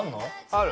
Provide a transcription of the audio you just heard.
ある！